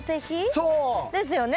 そう！ですよね。